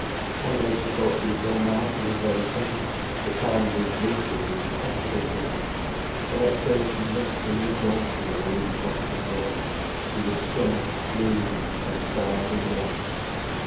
One day she thought she would go mad from his very presence, the sound of his drinking was detestable to her. The next day she loved and rejoiced in the way he crossed the floor, he was sun, moon and stars in one.